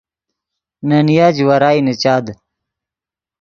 نے نیا جوارائی نیچاد